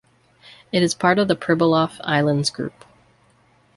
It is part of the Pribilof Islands group.